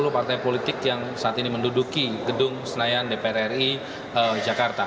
sepuluh partai politik yang saat ini menduduki gedung senayan dpr ri jakarta